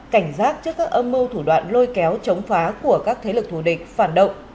cảnh giác trước các âm mưu thủ đoạn lôi kéo chống phá của các thế lực thù địch phản động